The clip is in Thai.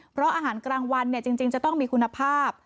เพราะอาหารกลางวันจริงจะต้องมีคุณภาพ